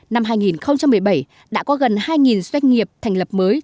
năm hai nghìn một mươi bảy đã có gần hai doanh nghiệp thành lập mới